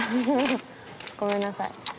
ごめんなさい